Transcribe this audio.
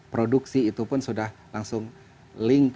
produksi itu pun sudah langsung link